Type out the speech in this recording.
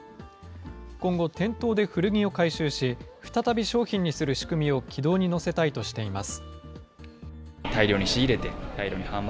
今後、店頭で古着を回収し、再び商品にする仕組みを軌道に乗せたいとしています。